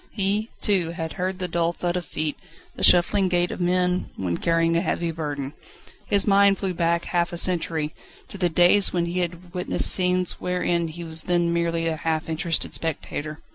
He, too, had heard the dull thud of feet, the shuffling gait of men when carrying a heavy burden. His mind flew back half a century, to the days when he had witnessed scenes wherein he was then merely a half interested spectator.